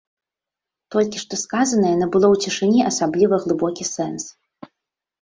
Толькі што сказанае набыло ў цішыні асабліва глыбокі сэнс.